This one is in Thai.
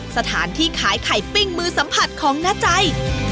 สถานที่ขายไข่ปิ้งมือสัมผัสของน้าใจ